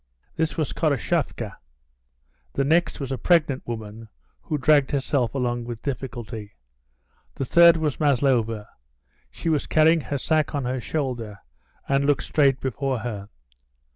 This was Koroshavka. The next was a pregnant woman, who dragged herself along with difficulty. The third was Maslova; she was carrying her sack on her shoulder, and looking straight before her.